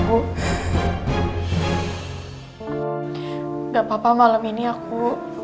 nggak apa apa malam ini aku